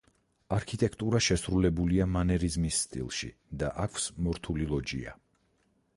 არქიტექტურა შესრულებულია მანერიზმის სტილში და აქვს მორთული ლოჯია.